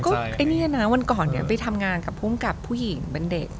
อันนี้เนี่ยนะวันก่อนไปทำงานกับผู้กำกัดผู้หญิงเห็นเด็ก